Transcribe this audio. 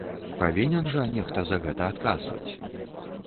Павінен жа нехта за гэта адказваць!